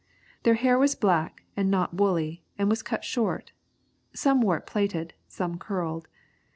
Their hair was black and not woolly, and was cut short; some wore it plaited, some curled.